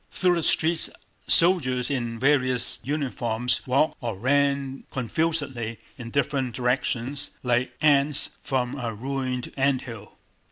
Through the streets soldiers in various uniforms walked or ran confusedly in different directions like ants from a ruined ant hill.